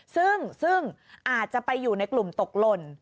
ซึ่งอาจจะไปอยู่ในกลุ่มตกหล่น